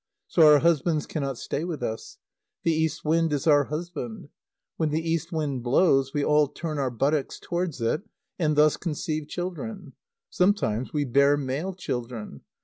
So our husbands cannot stay with us. The east wind is our husband. When the east wind blows, we all turn our buttocks towards it, and thus conceive children. Sometimes we bear male children.